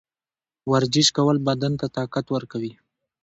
ورزش کول بدن ته طاقت ورکوي.